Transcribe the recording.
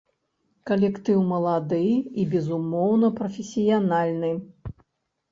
Калектыў малады і, безумоўна, прафесіянальны.